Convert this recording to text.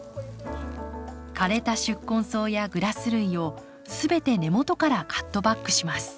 枯れた宿根草やグラス類を全て根元からカットバックします。